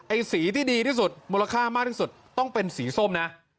สีที่ดีที่สุดมูลค่ามากที่สุดต้องเป็นสีส้มนะ